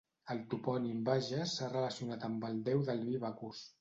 El topònim Bages s'ha relacionat amb el déu del vi Bacus.